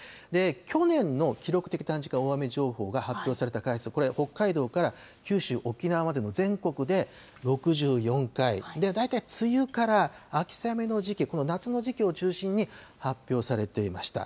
去年の記録的短時間大雨情報が発表された回数、これ、北海道から九州・沖縄などの全国で６４回、大体梅雨から秋雨の時期、夏の時期を中心に発表されていました。